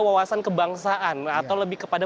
wawasan kebangsaan atau lebih kepada